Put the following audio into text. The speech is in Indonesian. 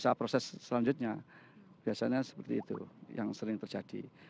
bisa proses selanjutnya biasanya seperti itu yang sering terjadi